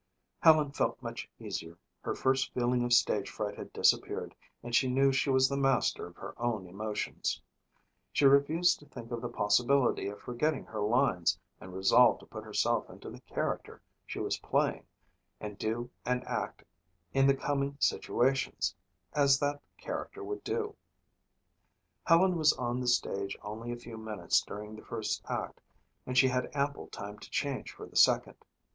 Helen felt much easier. Her first feeling of stage fright had disappeared and she knew she was the master of her own emotions. She refused to think of the possibility of forgetting her lines and resolved to put herself into the character she was playing and do and act in the coming situations, as that character would do. Helen was on the stage only a few minutes during the first act and she had ample time to change for the second.